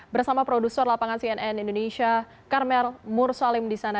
bersama produser lapangan cnn indonesia karmel mursalim di sana